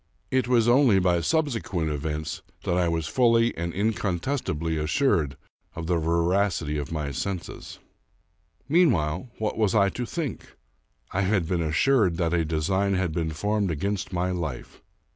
It was only by sub sequent events that I was fully and incontestably assured of the veracity of my senses. Meanwhile, what was I to think? I had been assured that a design had been formed against my life.